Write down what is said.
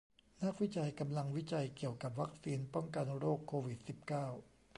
นักวิจัยกำลังวิจัยเกี่ยวกับวัคซีนป้องกันโรคโควิดสิบเก้า